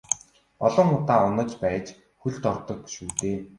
Олон удаа унаж байж хөлд ордог шүү дээ.